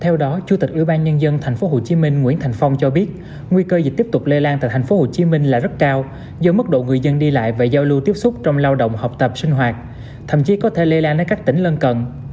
theo đó chủ tịch ubnd tp hcm nguyễn thành phong cho biết nguy cơ dịch tiếp tục lây lan tại tp hcm là rất cao do mức độ người dân đi lại và giao lưu tiếp xúc trong lao động học tập sinh hoạt thậm chí có thể lây lan đến các tỉnh lân cận